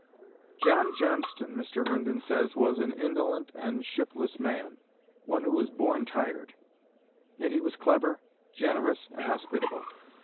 "John Johnston," Mr. Herndon says, "was an indolent and shiftless man, one who was 'born tired.' Yet he was clever, generous and hospitable."